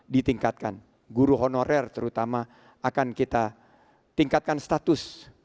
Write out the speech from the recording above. ditingkatkan guru honorer terutama akan kita tingkatkan status